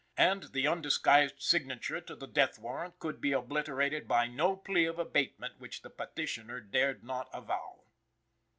And the undisguised signature to the death warrant could be obliterated by no plea of abatement which the petitioner dared not avow.